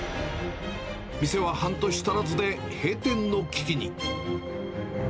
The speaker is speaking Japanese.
店は半年足らずで閉店の危機に。